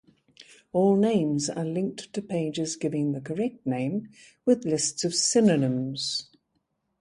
All names are linked to pages giving the correct name, with lists of synonyms.